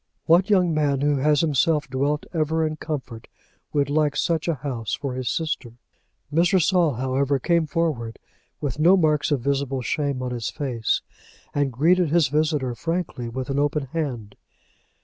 What young man who has himself dwelt ever in comfort would like such a house for his sister? Mr. Saul, however, came forward with no marks of visible shame on his face, and greeted his visitor frankly with an open hand.